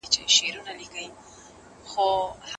که شرايط پوره سي نکاح سمه ده.